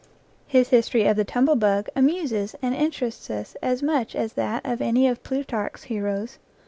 His history of the tumble bug amuses and interests us as much as that of any of Plutarch's heroes.